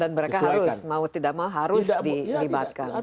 mereka harus mau tidak mau harus dilibatkan